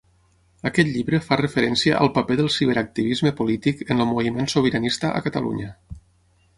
Aquest llibre fa referència al paper del ciberactivisme polític en el moviment sobiranista a Catalunya.